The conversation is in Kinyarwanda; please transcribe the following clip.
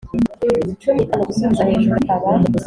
cumi n itanu gusubiza hejuru akaba